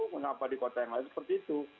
mengapa di kota yang lain seperti itu